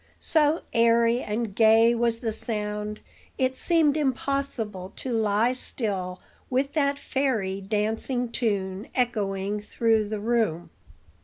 So airy and gay was the sound, it seemed impossible to lie still with that fairy dancing tune echoing through the room.